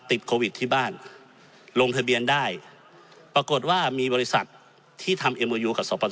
ติดที่บ้านลงทะเบียนได้ปรากฏว่ามีบริษัทที่ทำเนี่ย